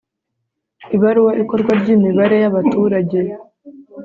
ibarura ikorwa ry'imibare y'abaturage